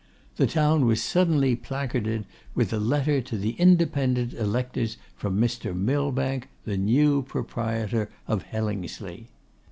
The town was suddenly placarded with a letter to the Independent Electors from Mr. Millbank, the new proprietor of Hellingsley.